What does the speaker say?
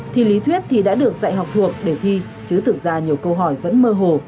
thì lý thuyết thì đã được dạy học thuộc để thi chứ thực ra nhiều câu hỏi vẫn mơ hồ